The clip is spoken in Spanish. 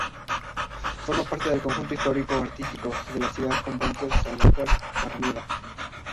Forma parte del Conjunto histórico-artístico y de la Ciudad-convento de Sanlúcar de Barrameda.